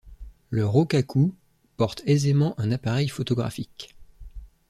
Le Rokkaku porte aisément un appareil photographique.